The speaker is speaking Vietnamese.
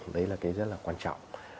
đấy là cái rất là quan trọng